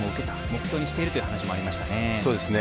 目標にしているという話もありましたね。